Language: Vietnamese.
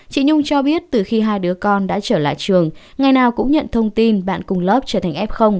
chị nhung cho biết từ khi hai đứa con đã trở lại trường ngày nào cũng nhận thông tin bạn cùng lớp trở thành f